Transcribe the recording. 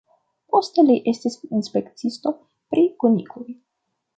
Poste li estis inspektisto pri kunikloj.